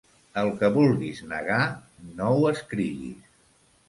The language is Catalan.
El que vulguis negar, no ho escriguis.